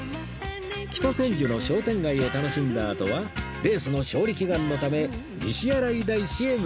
北千住の商店街を楽しんだあとはレースの勝利祈願のため西新井大師へ向かいます